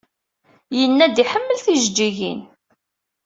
Yenna-d iḥemmel tijejjigin.